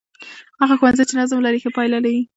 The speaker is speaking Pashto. هغه ښوونځی چې نظم لري، ښه پایله لري.